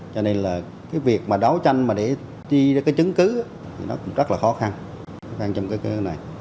cho nên là cái việc mà đấu tranh mà để đi ra cái chứng cứ thì nó cũng rất là khó khăn khó khăn trong cái này